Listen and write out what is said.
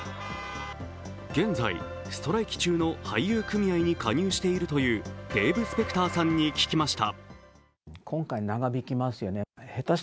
現在、ストライキ中の俳優組合に加入しているというデーブ・スペクターさんに聞きました。